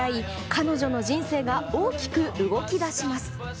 彼女の人生が大きく動き出します。